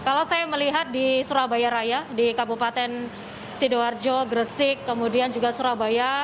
kalau saya melihat di surabaya raya di kabupaten sidoarjo gresik kemudian juga surabaya